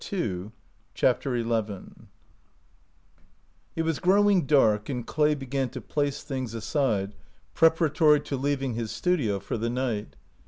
150 CHAPTER XI IT was growing dark, and Clay began to place things aside preparatory to leaving his studio for the night.